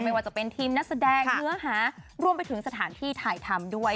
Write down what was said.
ไม่ว่าจะเป็นทีมนักแสดงเนื้อหารวมไปถึงสถานที่ถ่ายทำด้วย